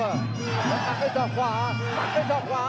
มักด้วยส่องขวา